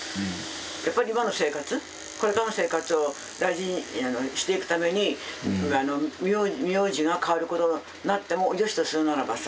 やっぱり今の生活これからの生活を大事にしていくために名字が変わることになってもよしとするならばさ